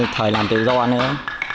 thời làm tự do nữa